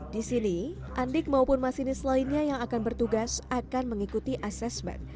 di sini andik maupun masinis lainnya yang akan bertugas akan mengikuti asesmen